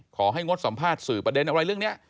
งดสัมภาษณ์สื่อประเด็นอะไรเรื่องนี้